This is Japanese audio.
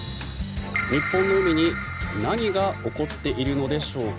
日本の海に何が起こっているのでしょうか。